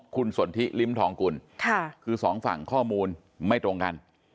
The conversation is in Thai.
คุณสนทิลิ้มทองกุลคือสองฝั่งข้อมูลไม่ตรงกัน